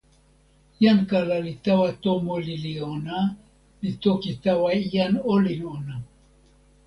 jan kala li tawa tomo lili ona, li toki tawa jan olin ona.